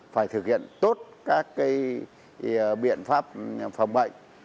phải thực hiện tốt các biện pháp phòng bệnh